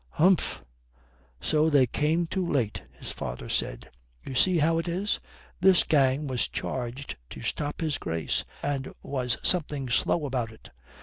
"Humph. So they came too late," his father said. "You see how it is. This gang was charged to stop his Grace, and was something slow about it.